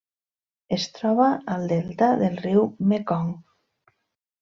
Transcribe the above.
Es troba al delta del riu Mekong.